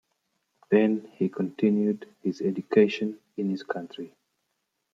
Then he continued his education in his country.